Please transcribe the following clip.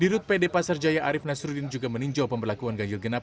di rut pd pasar jaya arief nasruddin juga meninjau pemberlakuan ganjil genap